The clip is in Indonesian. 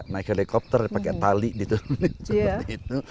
naik helikopter pakai tali gitu